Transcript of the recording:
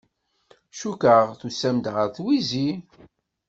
Cukkeɣ tusam-d ɣer twizi.